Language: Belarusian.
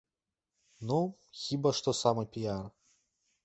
Ну, хіба што самапіяр.